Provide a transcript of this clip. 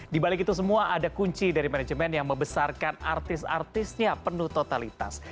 di balik itu semua ada kunci dari manajemen yang membesarkan artis artisnya penuh totalitas